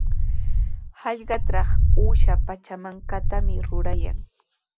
Hallqatraw uusha pachamankatami rurayan.